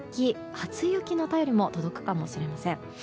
初雪の便りも届くかもしれません。